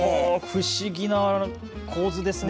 不思議な構図ですね。